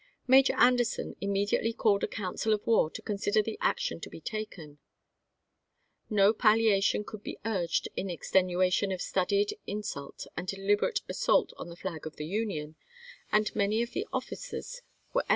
Major Anderson immediately called a council of war to consider the action to be taken. No pallia tion could be urged in extenuation of studied in sult and deliberate assault on the flag of the Union, and many of the officers were eloquent in their advice of instant retaliation.